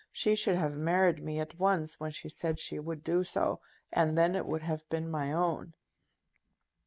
"She should have married me at once when she said she would do so, and then it would have been my own."